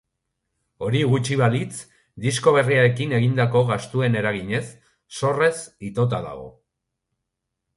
Hori gutxi balitz, disko berriarekin egindako gastuen eraginez, zorrez itota dago.